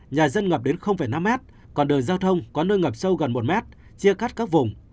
nhà dân ngập đến năm mét còn đường giao thông có nơi ngập sâu gần một mét chia cắt các vùng